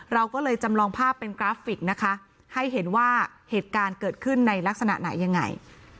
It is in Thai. เราก็เลยจำลองภาพเป็นกราฟิกนะคะให้เห็นว่าเหตุการณ์เกิดขึ้นในลักษณะไหนยังไง